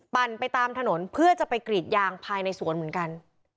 ไปตามถนนเพื่อจะไปกรีดยางภายในสวนเหมือนกัน